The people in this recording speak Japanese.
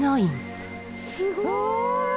すごい！わ！